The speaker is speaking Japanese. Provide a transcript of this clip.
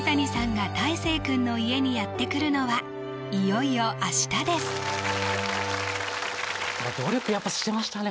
がたいせい君の家にやって来るのはいよいよ明日です努力やっぱしてましたね